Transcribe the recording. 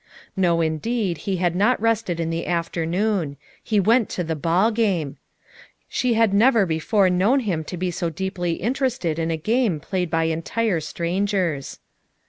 No indeed lie had not rested in the afternoon ; he went to the ball game ! she had never before known him to be so deeply interested in a game played by entire strangers.